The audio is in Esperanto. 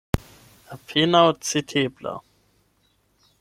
Apenaŭ citebla.